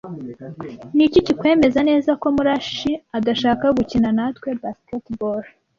Niki kikwemeza neza ko Murashyi adashaka gukina natwe basketball?